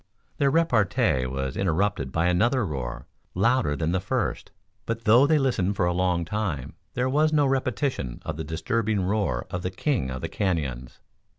Their repartee was interrupted by another roar, louder than the first. But though they listened for a long time there was no repetition of the disturbing roar of the king of the canyons.